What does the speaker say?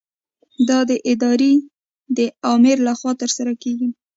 دا د ادارې د آمر له خوا ترسره کیږي.